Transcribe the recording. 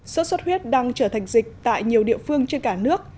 sốt xuất huyết đang trở thành dịch tại nhiều địa phương trên cả nước